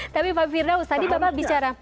tapi pak firdaus tadi bapak bicara